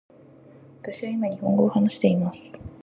私は今日本語を話しています。